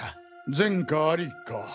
前科ありか。